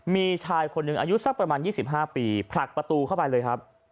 มีชายคนหนึ่งอายุสักประมาณ๒๕ปีผลักประตูเข้าไปเลยครับ